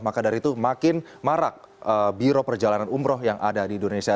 maka dari itu makin marak biro perjalanan umroh yang ada di indonesia